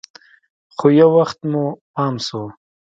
خو يو وخت مو پام سو.